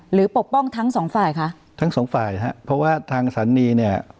ปกป้องทั้งสองฝ่ายคะทั้งสองฝ่ายฮะเพราะว่าทางสันนีเนี่ย